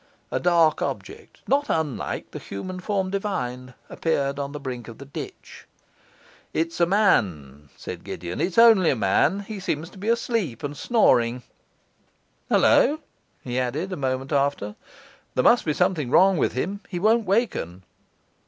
A dark object, not unlike the human form divine, appeared on the brink of the ditch. 'It's a man,' said Gideon, 'it's only a man; he seems to be asleep and snoring. Hullo,' he added, a moment after, 'there must be something wrong with him, he won't waken.